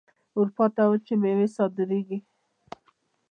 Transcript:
اروپا ته وچې میوې صادریږي.